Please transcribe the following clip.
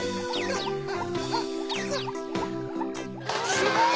すごい！